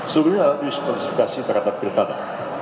suruhnya disqualifikasi terhadap pilkada